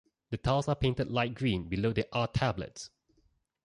The tiles are painted light green below the "R" tablets.